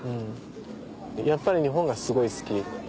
やっぱり日本がすごい好き。